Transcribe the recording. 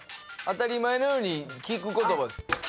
当たり前のように聞く言葉です。